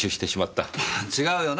違うよな？